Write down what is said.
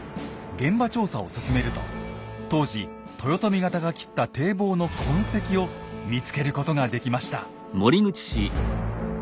現場調査を進めると当時豊臣方が切った堤防の痕跡を見つけることができました。